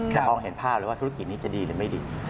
มองเห็นภาพเลยว่าธุรกิจนี้จะดีหรือไม่ดี